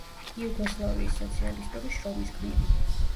იუგოსლავიის სოციალისტური შრომის გმირი.